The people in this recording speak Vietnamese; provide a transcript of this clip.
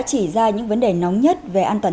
chỉ ra những vấn đề nóng nhất về an toàn